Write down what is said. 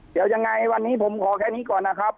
เดี๋ยวยังไงวันนี้ผมขอแค่นี้ก่อนนะครับ